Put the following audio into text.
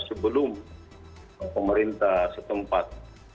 sebelum pemerintah setempat